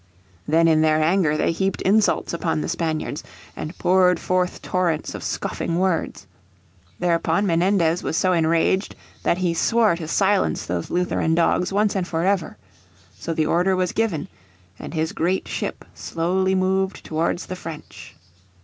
Then in their anger they heaped insults upon the Spaniards, and poured forth torrents of scoffing words. Thereupon Menendez was so enraged that he swore to silence those Lutheran dogs once and for ever. So the order was given, and his great ship slowly moved towards the French.